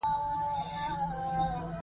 پازوالو په هغو دغو تېرېستلو.